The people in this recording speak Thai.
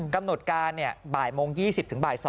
กำหนดการบ่ายโมง๒๐ถึงบ่าย๒